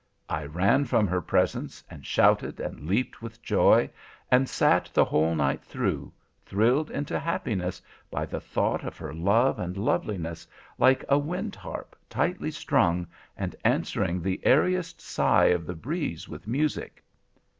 I ran from her presence, and shouted, and leaped with joy, and sat the whole night through, thrilled into happiness by the thought of her love and loveliness, like a wind harp, tightly strung, and answering the airiest sigh of the breeze with music.